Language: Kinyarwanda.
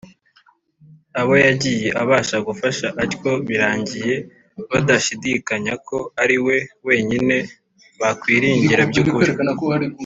Abo yagiye abasha gufasha atyo biringiye badashidikanya ko ari We Wenyine bakwiringira by’ukuri.